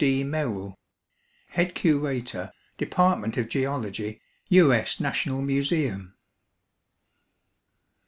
D. MERRILL, Head Curator, Department of Geology, U. S. National Museum.